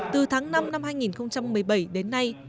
từ tháng năm năm hai nghìn một mươi bảy đến nay